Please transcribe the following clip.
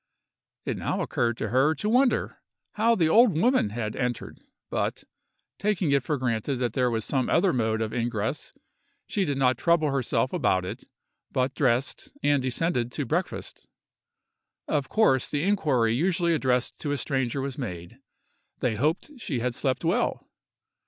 It now occurred to her to wonder how the old woman had entered, but, taking it for granted that there was some other mode of ingress she did not trouble herself about it, but dressed, and descended to breakfast. Of course, the inquiry usually addressed to a stranger was made—they hoped she had slept well!